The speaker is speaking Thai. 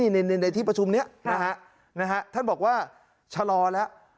ในที่ประชุมนี้นะฮะท่านบอกว่าชะลอแล้ว